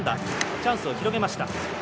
チャンスを広げました。